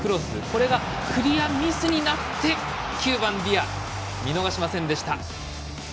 これがクリアミスになって９番、ディア見逃しませんでした。